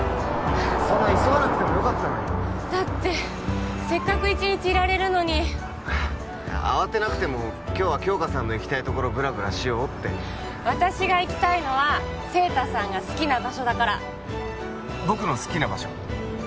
そんな急がなくてもよかったのにだってせっかく一日いられるのに慌てなくても今日は杏花さんの行きたいところブラブラしようって私が行きたいのは晴太さんが好きな場所だから僕の好きな場所？